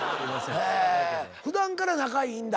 ふだんから仲いいんだ。